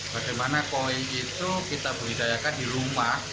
bagaimana koin itu kita budidayakan di rumah